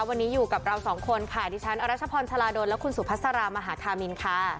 วันนี้อยู่กับเราสองคนค่ะดิฉันอรัชพรชาลาดลและคุณสุภาษารามหาธามินค่ะ